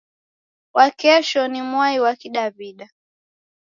Wakesho ni mwai wa kidaw'ida.